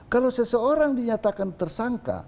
kalau seseorang dinyatakan tersangka